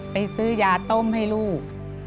ซื้อยาต้มให้ลูก